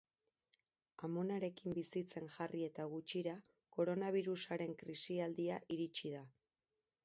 Amonarekin bizitzen jarri eta gutxira, koronabirusaren krisialdia iritsi da.